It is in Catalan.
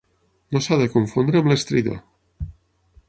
No s'ha de confondre amb l'estridor.